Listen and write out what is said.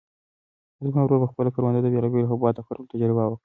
زما ورور په خپله کرونده کې د بېلابېلو حبوباتو د کرلو تجربه وکړه.